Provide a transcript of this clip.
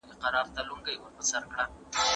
¬ څه چي په دېگ کي وي، په ملاغه کي راوزي.